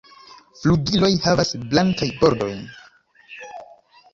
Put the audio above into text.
Flugiloj havas blankajn bordojn.